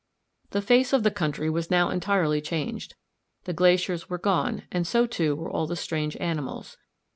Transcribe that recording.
The face of the country was now entirely changed. The glaciers were gone, and so, too, were all the strange animals.